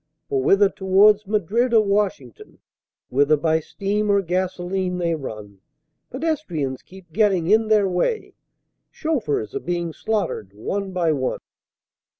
For whether towards Madrid or Washington, Whether by steam or gasoline they run, Pedestrians keep getting in their way, Chauffeurs are being slaughtered one by one.